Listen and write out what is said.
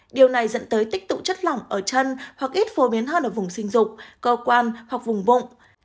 điều này dẫn tới tích tụ chất lỏng ở chân hoặc ít phổ biến hơn ở vùng sinh dục cơ quan hoặc vùng vụ